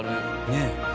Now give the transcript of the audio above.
ねえ。